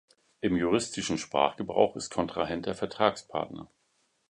Im juristischen Sprachgebrauch ist Kontrahent der Vertragspartner.